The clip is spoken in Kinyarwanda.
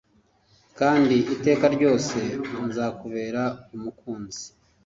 kandi iteka ryose nzakubera umukunzi